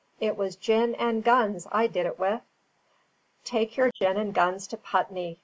It was gin and guns I did it with." "Take your gin and guns to Putney!"